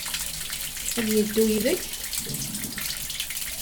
Ad yeddu yid-k?